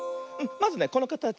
まずねこのかたち